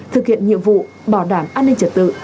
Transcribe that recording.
thực hiện nhiệm vụ bảo đảm an ninh trật tự